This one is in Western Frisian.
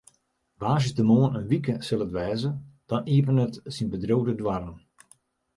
Woansdeitemoarn in wike sil it wêze, dan iepenet syn bedriuw de doarren.